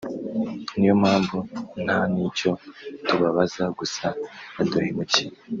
ni yo mpamvu nta n’icyo tubabaza gusa baduhemukiye”